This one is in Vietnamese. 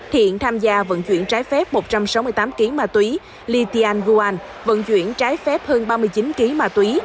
thiện tham gia vận chuyển trái phép một trăm sáu mươi tám kg ma túy lê tiên nguyen vận chuyển trái phép hơn ba mươi chín kg ma túy